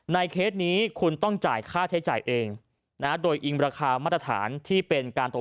เคสนี้คุณต้องจ่ายค่าใช้จ่ายเองนะโดยอิงราคามาตรฐานที่เป็นการตก